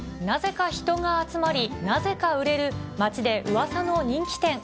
なぜか人が集まり、なぜか売れる街でウワサの人気店。